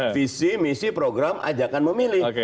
visi misi program ajakan memilih